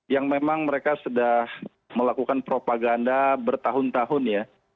yang memang mereka sudah melakukan propaganda bertahun tahun ya